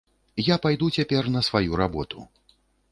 Я пайду цяпер на сваю работу.